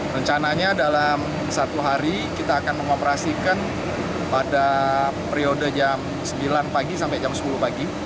rencananya dalam satu hari kita akan mengoperasikan pada periode jam sembilan pagi sampai jam sepuluh pagi